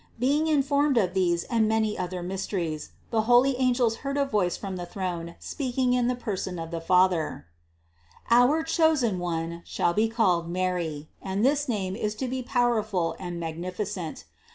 Being informed of these and many other mysteries, the holy angels heard a voice from the throne speaking in the person of the Father: "Our chosen One shall be called MARY, and this name is to be powerful and magnificent.